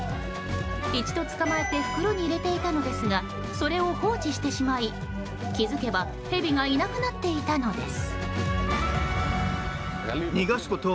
一度捕まえて袋に入れていたのですがそれを放置してしまい、気づけばヘビがいなくなっていたのです。